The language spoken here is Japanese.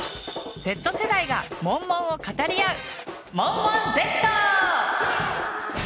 Ｚ世代がモンモンを語り合う「モンモンＺ」！